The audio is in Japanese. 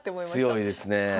強いですね。